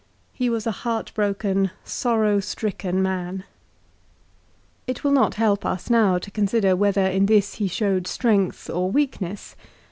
He was a heartbroken, sorrow stricken man. It will not help us now A A 2 356 LIFE OF CICERO. to consider whether in this he showed strength or weakness.